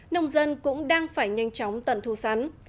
nông dân cũng đang phải nhanh chóng tận thu sắn